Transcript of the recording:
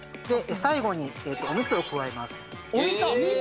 最後におみそを加えますおみそ